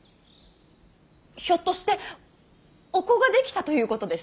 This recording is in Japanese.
ひょっとしてお子ができたということですか。